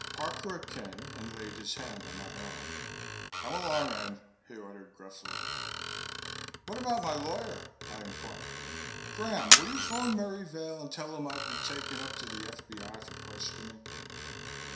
Harcourt came and laid his hand on my arm. "Come along then," he ordered gruffly. "How about my lawyer?" I inquired. "Graham, will you phone Merry Vail and tell him I've been taken up to the F.B.I. for questioning?"